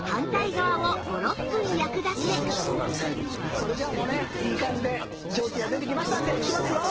それじゃあもうねいい感じで蒸気が出てきましたのでいきますよ。